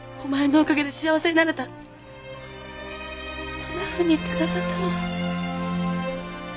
そんなふうに言って下さったのは。